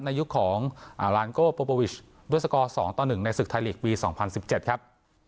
ในยุคของลานโก้โปวิชด้วยสกอร์๒ต่อ๑ในศึกไทยลีกปี๒๐๑๗ครับ